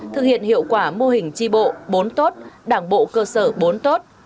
thực hiện hiệu quả mô hình tri bộ bốn tốt đảng bộ cơ sở bốn tốt